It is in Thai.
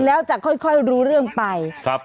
แล้วจะค่อยรู้เรื่องไป